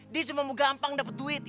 dia cuma mau gampang dapet duit itu aja